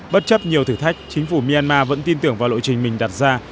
bất chấp nhiều thử thách chính phủ myanmar vẫn tin tưởng vào lộ trình mình đặt ra